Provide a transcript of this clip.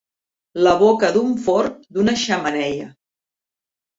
La boca d'un forn, d'una xemeneia.